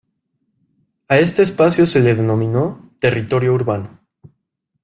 A este espacio se le denominó "territorio urbano".